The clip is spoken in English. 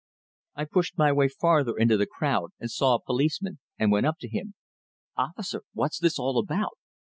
I pushed my way farther into the crowd, and saw a policeman, and went up to him. "Officer, what's this all about?"